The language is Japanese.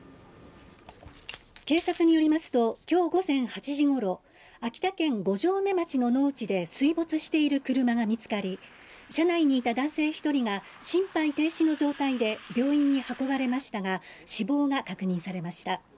警察によりますと今日午前８時ごろ秋田県五城目町の農地で水没している車が見つかり車内にいた男性１人が心肺停止の状態で病院に運ばれましたが死亡が確認されました。